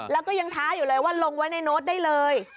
แล้วก็ยังท้าอยู่เลยว่าลงไว้ในโน้ตได้เลย